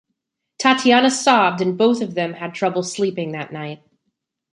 Tatiana sobbed and both of them had trouble sleeping that night.